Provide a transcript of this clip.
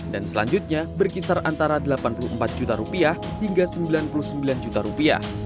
dan selanjutnya berkisar antara rp delapan puluh empat hingga rp sembilan puluh sembilan